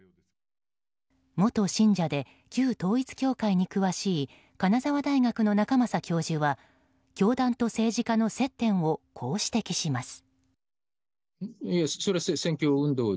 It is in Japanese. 元信者で旧統一教会に詳しい金沢大学の仲正教授は教団と政治家の接点をこう指摘します。